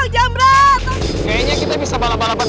jamrah jamrah tolong